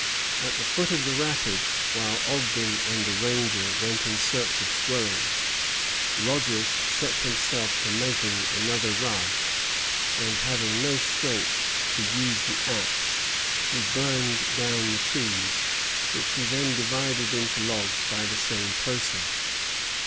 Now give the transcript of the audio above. At the foot of the rapids, while Ogden and the ranger went in search of squirrels, Rogers set himself to making another raft; and, having no strength to use the axe, he burned down the trees, which he then divided into logs by the same process.